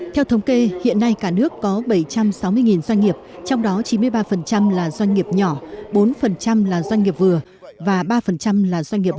theo thống kê hiện nay cả nước có bảy trăm sáu mươi doanh nghiệp trong đó chín mươi ba là doanh nghiệp nhỏ bốn là doanh nghiệp vừa và ba là doanh nghiệp lớn